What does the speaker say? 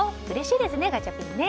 うれしいですね。